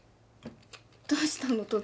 どうしたの？